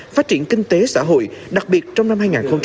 phát triển kinh tế xã hội đặc biệt trong năm hai nghìn hai mươi